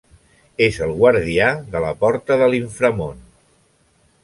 És el guardià de la porta de l'inframón.